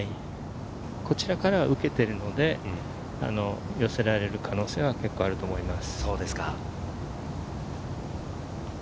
こちらからは受けているので、寄せられる可能性はあると思います。